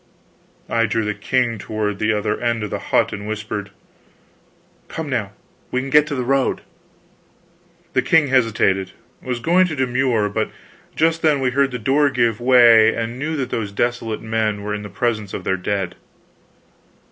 I drew the king toward the other end of the hut and whispered: "Come now we can get to the road." The king hesitated, was going to demur; but just then we heard the door give way, and knew that those desolate men were in the presence of their dead.